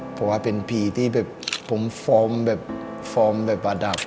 เพราะว่าเป็นพีที่ผมฟอร์มอัดดับ